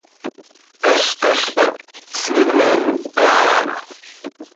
Caztaz pac siimen caha.